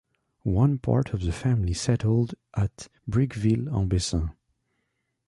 One part of the family settled at Bricqueville-en-Bessin.